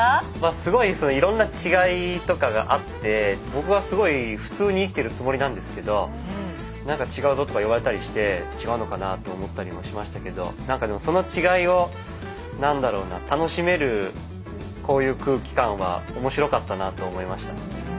すごいいろんな違いとかがあって僕はすごい普通に生きてるつもりなんですけど「なんか違うぞ」とか言われたりして違うのかなと思ったりもしましたけどなんかでもその違いを何だろうな楽しめるこういう空気感は面白かったなと思いました。